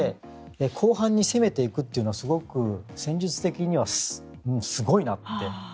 後半に攻めていくのは戦術的にはすごいなって。